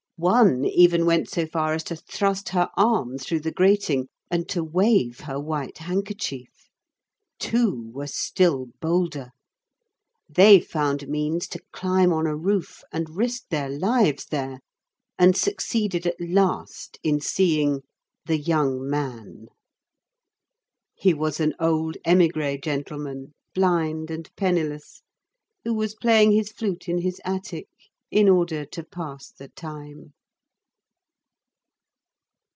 One even went so far as to thrust her arm through the grating, and to wave her white handkerchief. Two were still bolder. They found means to climb on a roof, and risked their lives there, and succeeded at last in seeing "the young man." He was an old émigré gentleman, blind and penniless, who was playing his flute in his attic, in order to pass the time.